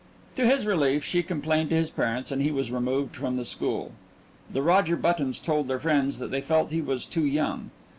To his relief she complained to his parents, and he was removed from the school. The Roger Buttons told their friends that they felt he was too young.